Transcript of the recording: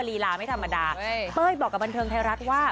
ลีลาไม่ธรรมดาเป้ยบอกกับบันเทิงไทยรัฐว่า